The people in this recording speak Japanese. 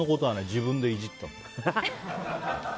自分でいじってたの。